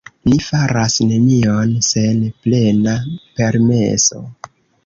Ni faras nenion sen plena permeso.